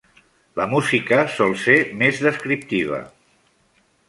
La música sol ser més descriptiva.